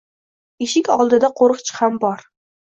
Eshik oldida qoʻriqchi ham bor.